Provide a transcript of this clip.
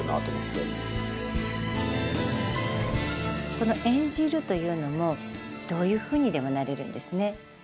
この演じるというのもどういうふうにでもなれるんですね。